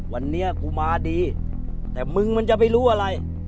วันนี้กูมาดีแต่มึงมันจะไปรู้อะไร